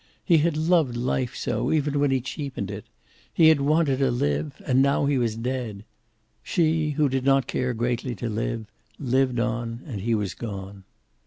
He had loved life so, even when he cheapened it. He had wanted to live and now he was dead. She, who did not care greatly to live, lived on, and he was gone.